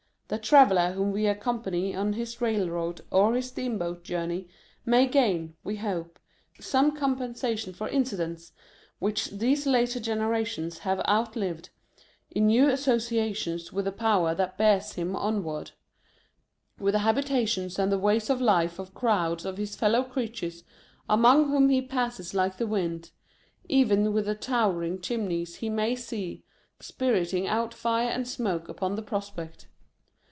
The traveller whom we accompany on his railroad or his steamboat journey, may gain, we hope, some compensation for incidents which these later generations have outlived, in new asso ciations with the Power that bears him on ward ; with the habitations and the ways of life of crowds of his fellow creatures among whom he passes like the wind ; even with the towering chimneys he may see, spirting out fire and smoke upon the prospect.